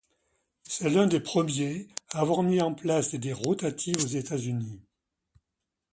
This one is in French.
C'est l'un des premiers à avoir mis en place des rotatives aux États-Unis.